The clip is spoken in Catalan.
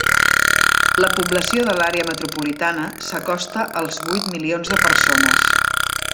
La població de l'àrea metropolitana s'acosta als vuit milions de persones.